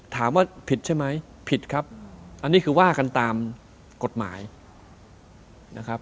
ถามว่าผิดใช่ไหมผิดครับอันนี้คือว่ากันตามกฎหมายนะครับ